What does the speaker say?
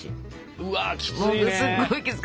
うわきついね。